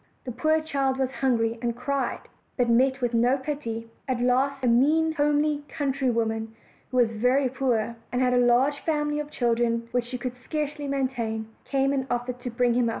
The poor child was hungry, and cried, but met with no pity; at last a mean, homely countrywoman, who was very poor, and had a large family of children, which she could scarcely maintain, came and offered to bring him OLD, OLD FAIRY TALES.